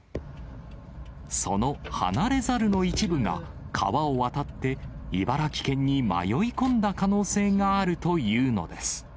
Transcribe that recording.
その離れ猿の一部が、川を渡って茨城県に迷い込んだ可能性があるというのです。